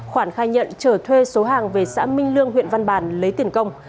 khoản khai nhận trở thuê số hàng về xã minh lương huyện văn bàn lấy tiền công